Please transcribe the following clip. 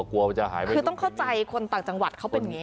กลัวมันจะหายไปคือต้องเข้าใจคนต่างจังหวัดเขาเป็นอย่างนี้